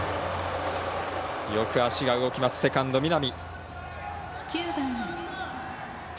よく足が動きます、セカンド南。